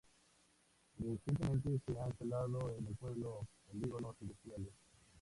Recientemente se han instalado en el pueblo polígonos industriales.